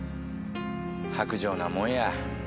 薄情なもんや。